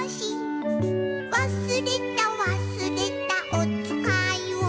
「わすれたわすれたおつかいを」